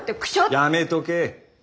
やめとけ。